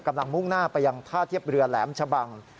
มุ่งหน้าไปยังท่าเทียบเรือแหลมชะบัง